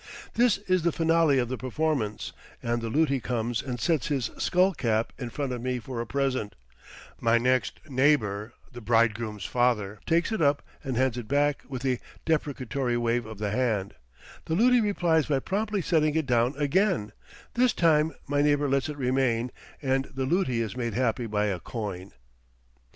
This is the finale of the performance, and the luti comes and sets his skull cap in front of me for a present; my next neighbor, the bridegroom's father, takes it up and hands it back with a deprecatory wave of the hand; the luti replies by promptly setting it down again; this time my neighbor lets it remain, and the luti is made happy by a coin.